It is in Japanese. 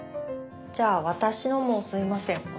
じゃあ私のもすいません。